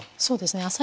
そうですね